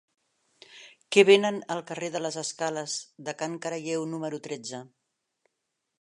Què venen al carrer de les Escales de Can Caralleu número tretze?